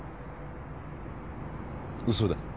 嘘だ。